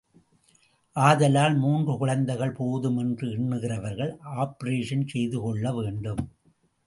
ஆதலால் மூன்று குழந்தைகள் போதும் என்று எண்ணுகிறவர்கள் ஆப்பரேஷனே செய்துகொள்ள வேண்டும்.